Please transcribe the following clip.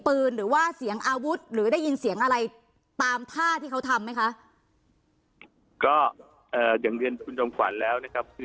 ก็อย่างเรียนคุณจมขวานแล้ว